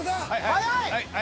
早い！